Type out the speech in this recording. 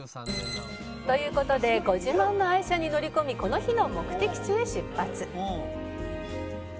「という事でご自慢の愛車に乗り込みこの日の目的地へ出発」